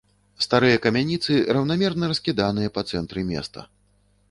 Старыя камяніцы раўнамерна раскіданыя па цэнтры места.